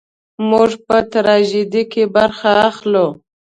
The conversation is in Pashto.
موږ په تراژیدۍ کې برخه اخلو.